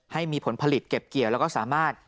ให้มีผลผลิตเก็บเกี่ยวแล้วก็สามารถ